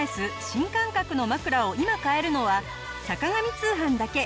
新感覚の枕を今買えるのは『坂上通販』だけ。